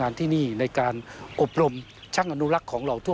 เงื่อนจากกองทุนนี้ยังส่งต่อไปถึงโบราณสถาน